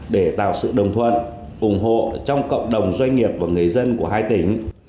để tạo sự đồng thuận ủng hộ trong cộng đồng doanh nghiệp và người dân của hai tỉnh